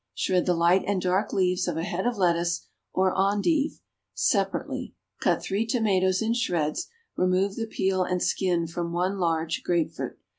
Shred the light and dark leaves of a head of lettuce, or endive, separately. Cut three tomatoes in shreds. Remove the peel and skin from one large grapefruit.